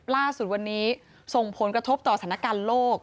ล่าสุดวันนี้ส่งผลกระทบต่อสถานการณ์โลก